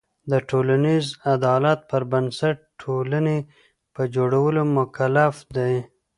د ټولنیز عدالت پر بنسټ ټولنې په جوړولو مکلف دی.